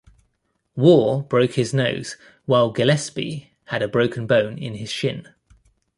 Waugh broke his nose while Gillespie had a broken bone in his shin.